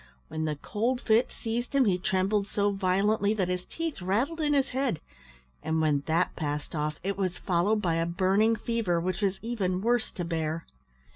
When the cold fit seized him he trembled so violently that his teeth rattled in his head; and when that passed off it was followed by a burning fever, which was even worse to bear.